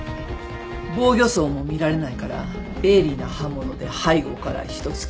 防御創も見られないから鋭利な刃物で背後からひと突きってところね。